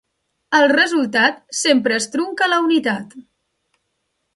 El resultat sempre es trunca a la unitat.